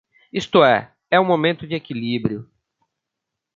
Isto é, é um momento de equilíbrio.